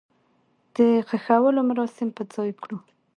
د خښولو مراسم په ځاى کړو.